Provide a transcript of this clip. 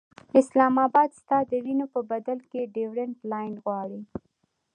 اسلام اباد ستا د وینو په بدل کې ډیورنډ لاین غواړي.